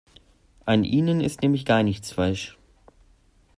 An ihnen ist nämlich gar nichts falsch.